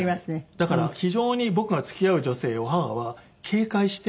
だから非常に僕が付き合う女性を母は警戒して。